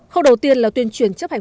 khâu đầu tiên là tuyên truyền chấp hành